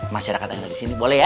masyarakat yang ada disini boleh ya